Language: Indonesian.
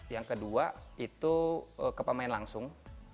yang kedua itu ke pemain langsung